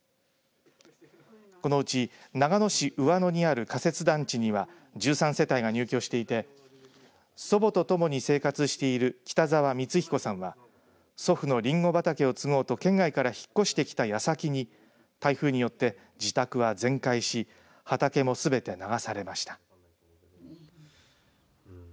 このうち長野市上野にある仮設団地には１３世帯が入居していて祖母とともに生活している北澤光彦さんは祖父のリンゴ畑を継ごうと県外から引っ越してきたやさきに台風によって自宅は全壊し畑もすべて流されました。